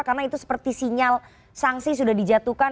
karena itu seperti sinyal sanksi sudah dijatuhkan